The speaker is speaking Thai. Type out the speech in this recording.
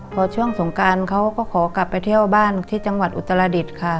พอช่วงสงการเขาก็ขอกลับไปเที่ยวบ้านที่จังหวัดอุตรดิษฐ์ค่ะ